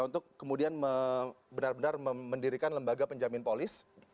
untuk kemudian benar benar mendirikan lembaga penjamin polis